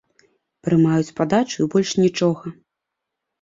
Прымаюць падачу, і больш нічога.